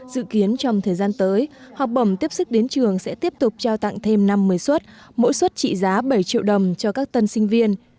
dự kiến trong thời gian tới học bổng tiếp sức đến trường sẽ tiếp tục trao tặng thêm năm mươi suất mỗi suất trị giá bảy triệu đồng cho các tân sinh viên